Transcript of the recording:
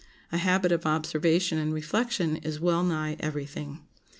A habit of observation and reflection is well nigh every thing.